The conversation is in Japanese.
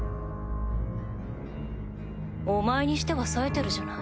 お前にしては冴えてるじゃない。